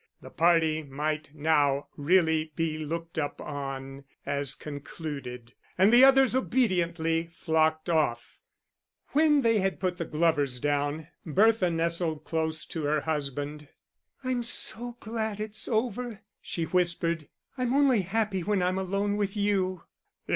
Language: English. The party might now really be looked upon as concluded, and the others obediently flocked off. When they had put the Glovers down, Bertha nestled close to her husband. "I'm so glad it's all over," she whispered; "I'm only happy when I'm alone with you."